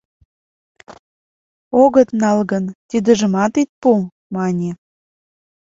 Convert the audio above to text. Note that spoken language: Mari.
— Огыт нал гын, тидыжымат ит пу, — мане.